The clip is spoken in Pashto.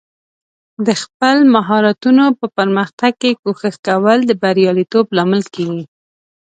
د خپل مهارتونو په پرمختګ کې کوښښ کول د بریالیتوب لامل کیږي.